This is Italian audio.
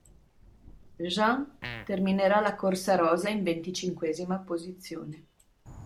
Jean terminerà la corsa rosa in venticinquesima posizione.